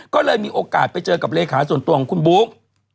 ก็เลยมีโอกาสไปเจอกับเลขาส่วนตัวของคุณบุ๊ก